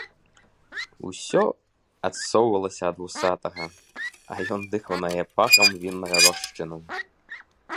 Усё адсоўвалася ад вусатага, а ён дыхаў на яе пахам віннага рошчыну.